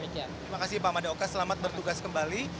terima kasih pak madaoka selamat bertugas kembali